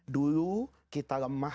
dulu kita lemah